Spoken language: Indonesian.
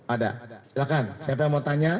ada silakan siapa yang mau tanya